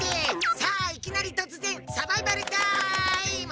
さあいきなりとつぜんサバイバルタイム！